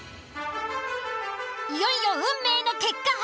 いよいよ運命の結果発表です。